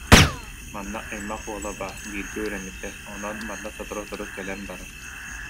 Манна аймах уола баар, бииргэ үөрэммиттэр, онон манна сотору-сотору кэлэн барар